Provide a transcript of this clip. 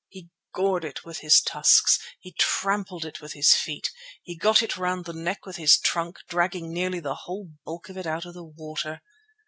He gored it with his tusks, he trampled it with his feet, he got it round the neck with his trunk, dragging nearly the whole bulk of it out of the water.